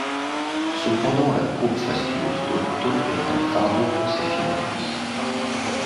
Cependant la cour fastueuse d'Otto est un fardeau pour ses finances.